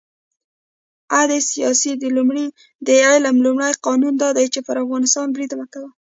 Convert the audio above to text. «عد سیاست د علم لومړی قانون دا دی: پر افغانستان برید مه کوه.